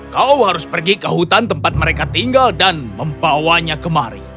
kau harus pergi ke hutan tempat mereka tinggal dan membawanya kemari